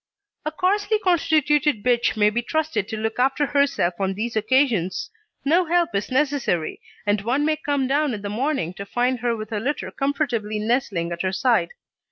A coarsely constituted bitch may be trusted to look after herself on these occasions; no help is necessary, and one may come down in the morning to find her with her litter comfortably nestling at her side.